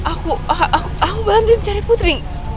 aku aku aku bantu cari putri